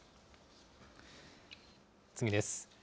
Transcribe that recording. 次です。